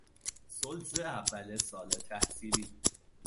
ثلث اول سال تحصیلی